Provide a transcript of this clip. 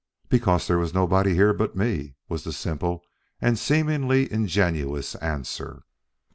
"Because there was nobody here but me," was the simple and seemingly ingenuous answer.